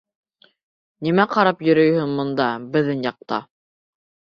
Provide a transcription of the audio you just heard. Нимә ҡарап йөрөйһөң бында -беҙҙең ятаҡта?